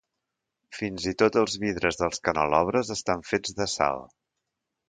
Fins i tot els vidres dels canelobres estan fets de sal.